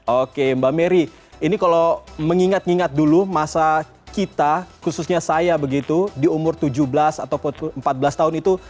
oke mbak mary ini kalau mengingat ingat dulu masa kita khususnya saya begitu di umur tujuh belas atau empat belas tahun itu